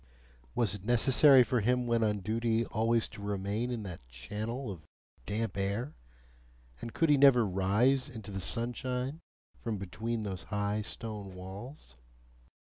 Was it necessary for him when on duty always to remain in that channel of damp air, and could he never rise into the sunshine from between those high stone walls?